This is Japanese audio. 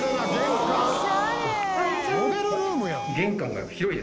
「モデルルームやん」